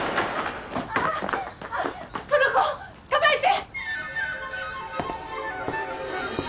あっその子を捕まえて！